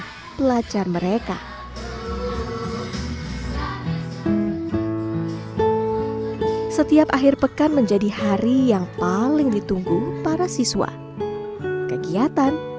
hai pelajar mereka setiap akhir pekan menjadi hari yang paling ditunggu para siswa kegiatan